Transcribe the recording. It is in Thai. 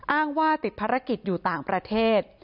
อ้างว่าติดภารกิจอยู่ต่างประเทศ